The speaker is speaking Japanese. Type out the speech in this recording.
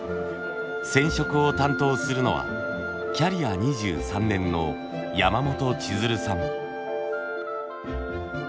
染色を担当するのはキャリア２３年の山本千鶴さん。